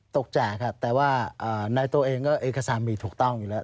แจกครับแต่ว่าในตัวเองก็เอกสารมีถูกต้องอยู่แล้ว